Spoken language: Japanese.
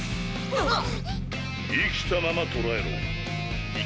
・あっ！